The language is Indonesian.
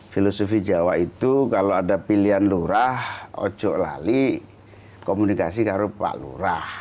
filosofi jawa itu kalau ada pilihan lurah ojok lali komunikasi ke harupa lurah